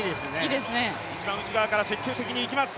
一番内側から積極的にいきます。